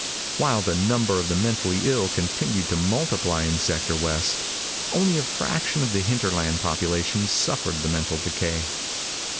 While the number of the mentally ill continued to multiply in Sector West, only a fraction of the hinterland population suffered the mental decay.